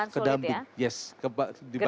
jadi perjuangan sulit ya